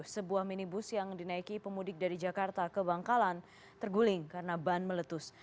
sebuah minibus yang dinaiki pemudik dari jakarta ke bangkalan terguling karena ban meletus